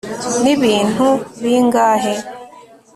nibintu bingahe